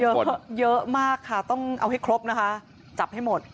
มันเยอะมากต้องเอาให้ครบจับให้หมด